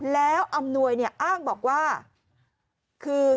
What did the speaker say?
แล้วอำนวยอ้างบอกว่าคือ